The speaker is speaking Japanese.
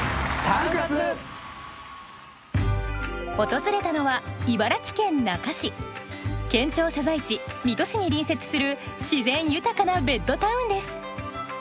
訪れたのは県庁所在地水戸市に隣接する自然豊かなベッドタウンです。